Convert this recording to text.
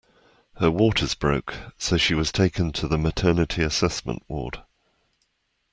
Her waters broke so she was taken to the maternity assessment ward.